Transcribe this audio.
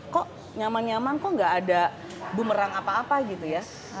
kok nyaman nyaman kok gak ada bumerang apa apa gitu ya